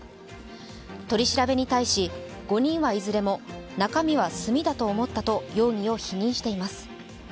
取り調べに対し、５人はいずれも中身は炭だと思ったと容疑を否認しています。